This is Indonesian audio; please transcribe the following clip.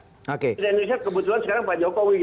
indonesia kebetulan sekarang pak jokowi